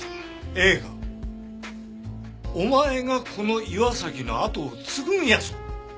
ええかお前がこの岩崎の跡を継ぐんやぞ。